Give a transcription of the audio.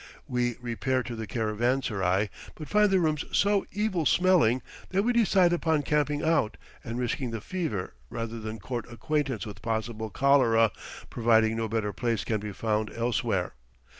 We repair to the caravanserai, but find the rooms so evil smelling that we decide upon camping out and risking the fever rather than court acquaintance with possible cholera, providing no better place can be found elsewhere.